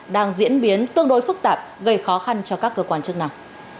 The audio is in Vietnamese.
đang diễn biến tương đối phức tạp gây khó khăn cho các cơ quan chức năng